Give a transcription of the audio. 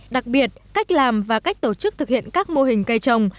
đặc biệt cách làm và cách tổ chức thực hiện các mô hình cây trồng